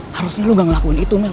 harusnya lu gak ngelakuin itu mah